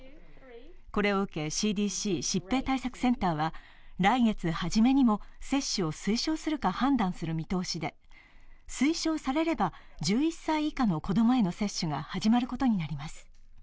これを受けＣＤＣ＝疾病対策センターは来月初めにも接種を推奨するか判断する見通しで、推奨されれば、１１歳以下の子供への接種が始まることになります。